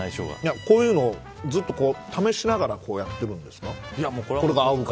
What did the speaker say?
こういうのずっと試しながらやってるんですか。